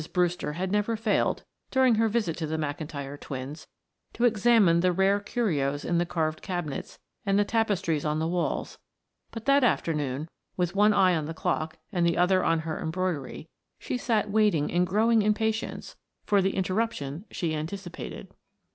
Brewster had never failed, during her visit to the McIntyre twins, to examine the rare curios in the carved cabinets and the tapestries on the walls, but that afternoon, with one eye on the clock and the other on her embroidery, she sat waiting in growing impatience for the interruption she anticipated.